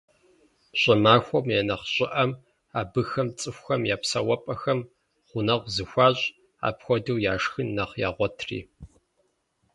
ЩӀымахуэм я нэхъ щӀыӀэм абыхэм цӀыхухэм я псэупӀэхэм гъунэгъу зыхуащӀ, апхуэдэу яшхын нэхъ ягъуэтри.